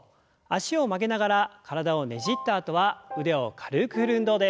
脚を曲げながら体をねじったあとは腕を軽く振る運動です。